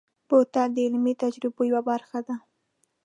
بوتل د علمي تجربو یوه برخه ده.